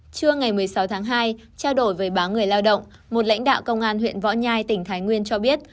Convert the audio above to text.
trưa ngày một mươi sáu tháng hai trao đổi về báo người lao động một lãnh đạo công an huyện võ nhai tỉnh thái nguyên cho biết